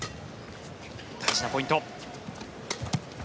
大事なポイント。